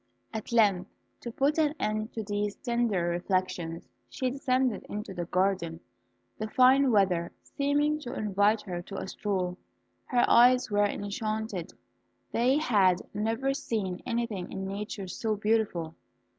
At length, to put an end to these tender reflections, she descended into the garden, the fine weather seeming to invite her to a stroll. Her eyes were enchanted; they had never seen anything in nature so beautiful.